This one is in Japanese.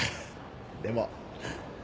でも。